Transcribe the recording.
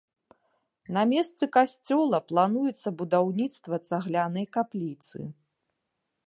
На месцы касцёла плануецца будаўніцтва цаглянай капліцы.